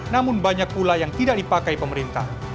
namun banyak pula yang tidak dipakai pemerintah